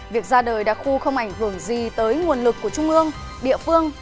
việc ra đời đặc khu không ảnh hưởng gì tới nguồn lực của trung ương địa phương